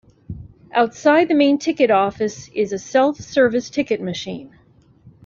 Outside the main ticket office is a self-service ticket machine.